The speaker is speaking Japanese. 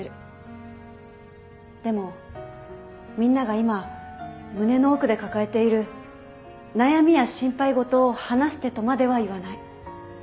でもみんなが今胸の奥で抱えている悩みや心配事を話してとまでは言わない。